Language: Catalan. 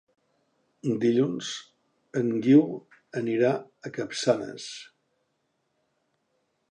Dilluns en Guiu anirà a Capçanes.